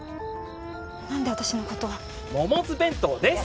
何で私のことをモモズ弁当です！